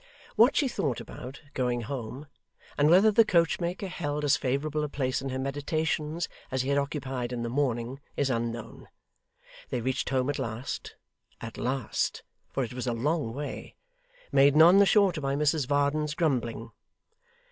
What she thought about, going home; and whether the coach maker held as favourable a place in her meditations as he had occupied in the morning, is unknown. They reached home at last at last, for it was a long way, made none the shorter by Mrs Varden's grumbling.